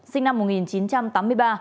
sinh năm một nghìn chín trăm tám mươi ba